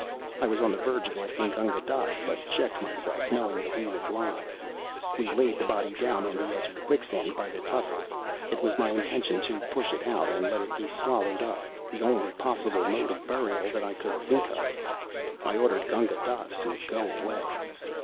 I was on the verge of asking Gunga Dass, but checked myself, knowing that he would lie. We laid the body down on the edge of the quicksand by the tussocks. It was my intention to push it out and let it be swallowed up the only possible mode of burial that I could think of. I ordered Gunga Dass to go away.